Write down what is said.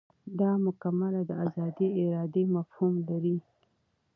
دا مکالمه د ازادې ارادې مفهوم لري.